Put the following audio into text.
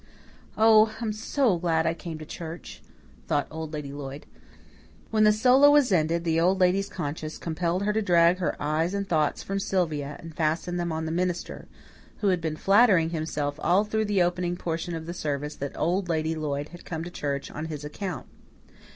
"Oh, I'm so glad I came to church," thought Old Lady Lloyd. When the solo was ended, the Old Lady's conscience compelled her to drag her eyes and thoughts from Sylvia, and fasten them on the minister, who had been flattering himself all through the opening portion of the service that Old Lady Lloyd had come to church on his account.